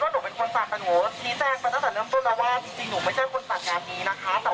แต่หนูทีนี้แจ้งไปตั้งแต่เริ่มต้นแล้วว่าจริงจริงหนูไม่ใช่คนจัดงานนี้นะคะ